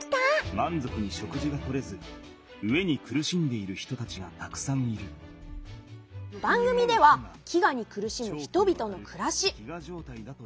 まんぞくに食事がとれず飢えに苦しんでいる人たちがたくさんいる番組では飢餓に苦しむ人々の暮らし。